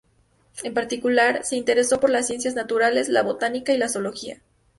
En particular, se interesó por las ciencias naturales, la botánica y la zoología.